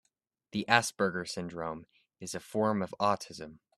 The Asperger syndrome is a form of autism.